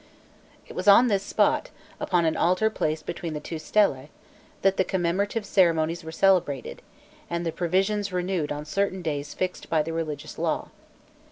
It was on this spot, upon an altar placed between the two stelæ, that the commemorative ceremonies were celebrated, and the provisions renewed on certain days fixed by the religious law.